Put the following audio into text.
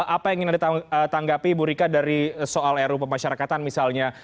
apa yang ingin anda tanggapi ibu rika dari soal ru pemasyarakatan misalnya